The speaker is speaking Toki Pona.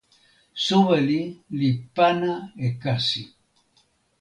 soweli li pana e kasi.